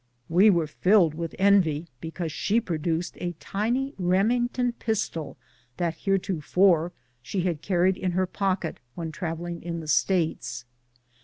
We were filled with envy because she produced a tiny Remington pistol that heretofore she had carried in her pocket when travelling in the States.